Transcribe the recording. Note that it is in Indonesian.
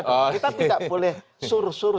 kita tidak boleh sur suruh